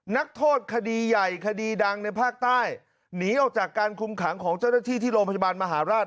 นักโทษคดีใหญ่คดีดังในภาคใต้หนีออกจากการคุมขังของเจ้าหน้าที่ที่โรงพยาบาลมหาราช